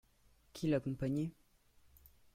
Qui l'accompagnait ?